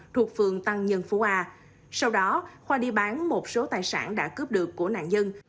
thuộc phường tăng nhân phố a sau đó khoa đi bán một số tài sản đã cướp được của nạn nhân